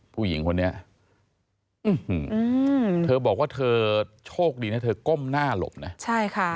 ผู้หญิงคนนี้เธอบอกว่าเธอโชคดีนะเธอก้มหน้าหลบนะใช่ค่ะ